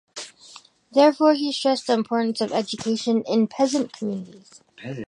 Therefore, he stressed the importance of education in peasant communities.